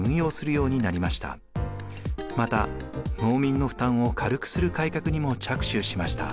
また農民の負担を軽くする改革にも着手しました。